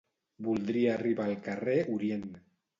Voldria arribar al carrer Orient.